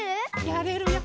やれるよ。